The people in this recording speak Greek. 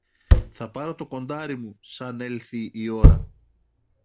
Θα πάρω το κοντάρι μου, σαν έλθει η ώρα.